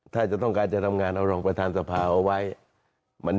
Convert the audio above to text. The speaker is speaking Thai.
ถ้าจะต้องการจะทำงานเอารองประธานสภาเอาไว้